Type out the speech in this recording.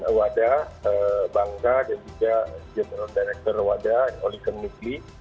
dan wada bangka dan juga jenderal direktur wada olicen nukli